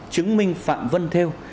chứng minh phạm văn thêu